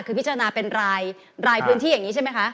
คือพิจารณาเป็นรายพื้นที่อย่างนี้ใช่ไหมคะ